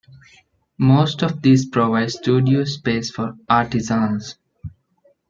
Most of these provide studio space for artisans.